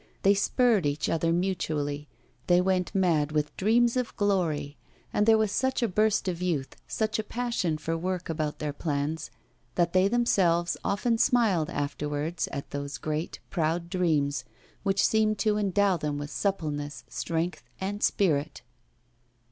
They spurred each other mutually, they went mad with dreams of glory; and there was such a burst of youth, such a passion for work about their plans, that they themselves often smiled afterwards at those great, proud dreams which seemed to endow them with suppleness, strength, and spirit.